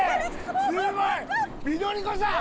スゴい緑子さん。